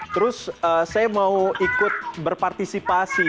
terus saya mau ikut berpartisipasi